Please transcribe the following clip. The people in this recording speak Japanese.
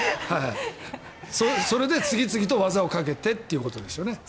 それで次々と技をかけてっていうことですよね。